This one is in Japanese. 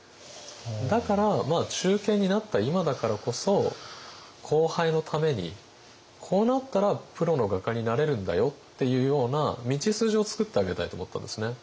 だから中堅になった今だからこそ後輩のためにこうなったらプロの画家になれるんだよっていうような道筋をつくってあげたいと思ったんですね。